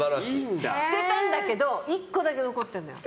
捨てたんだけど１個だけ残ってるのよ。